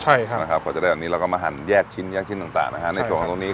ใช่ครับนะครับกว่าจะได้แบบนี้แล้วก็มาหันแยกชิ้น